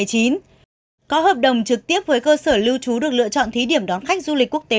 có hợp đồng trực tiếp với cơ sở lưu trú được lựa chọn thí điểm đón khách du lịch quốc tế